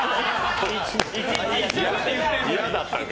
嫌だったんか。